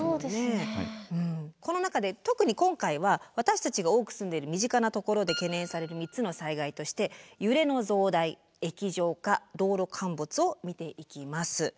この中で特に今回は私たちが多く住んでいる身近なところで懸念される３つの災害として揺れの増大液状化道路陥没を見ていきます。